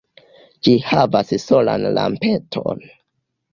Ĝi havas solan lampeton.